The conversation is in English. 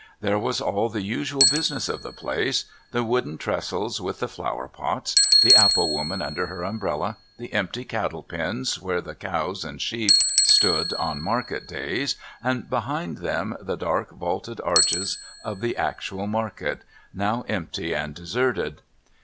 There was all the usual business of the place the wooden trestles with the flowerpots, the apple woman under her umbrella, the empty cattle pens, where the cows and sheep stood on market days, and behind them the dark, vaulted arches of the actual market, now empty and deserted.